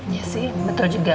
iya sih betul juga